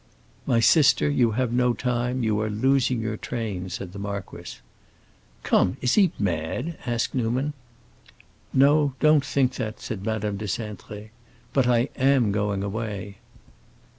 "My sister, you have no time; you are losing your train," said the marquis. "Come, is he mad?" asked Newman. "No; don't think that," said Madame de Cintré. "But I am going away."